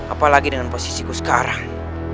apalagi dengan posisiku sekarang